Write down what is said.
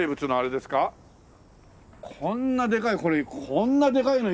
こんなでかいの。